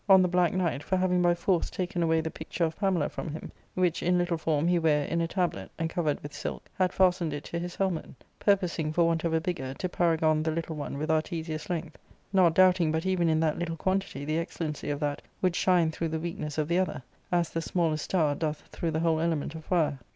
—Book I, 39 the black knight for having by force taken away the picture of Pamela from him, which in little form he ware in a tablet, and, covered with silk, had fastened it to his helmet, purposing, for want of a bigger, to paragon the little one with Artesia^s length, not doubting but even in that little quantity the excellency of that would shine through the weakness of the other, as the smallest star doth through the whble element of fire.